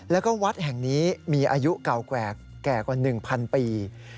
แล้วก็วัดแห่งนี้มีอายุเก่าแก่กว่า๑๐๐ปี